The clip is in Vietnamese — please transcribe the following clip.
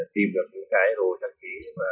tìm được những cái đồ trang trí